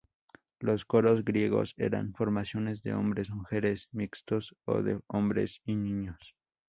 Los coros griegos eran formaciones de hombres, mujeres, mixtos o de hombres y niños.